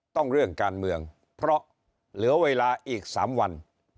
เรื่องการเมืองเพราะเหลือเวลาอีก๓วัน